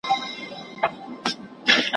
د شیدو پر ویاله ناسته سپینه حوره `